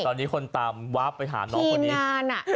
ตอนนี้คนตามวาบไปหาน้องคนนี้นาน